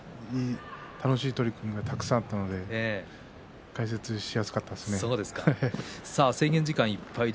今日は、いい相撲がたくさんあったんで解説しやすかったですね。